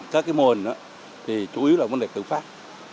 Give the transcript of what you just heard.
các cái môn đó thì chủ yếu là vấn đề tự phát